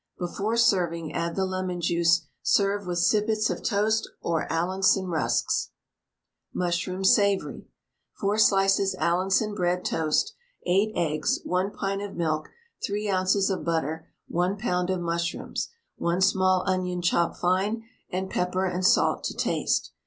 Before serving, add the Lemon juice; serve with sippets of toast or Allinson rusks. MUSHROOM SAVOURY. 4 slices Allinson bread toast, 8 eggs, 1 pint of milk, 3 oz. of butter, 1 lb. of mushrooms, 1 small onion chopped fine, and pepper and salt to taste.